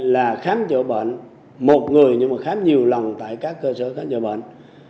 là khám chữa bệnh một người nhưng mà khám nhiều lần tại các cơ sở khám chữa bệnh